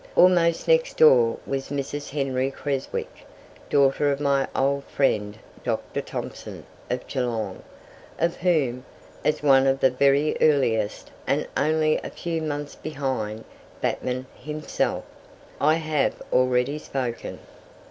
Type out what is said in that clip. Almost next door was Mrs. Henry Creswick, daughter of my old friend Dr. Thomson, of Geelong, of whom, as one of the very earliest, and only a few months behind Batman himself, I have already spoken.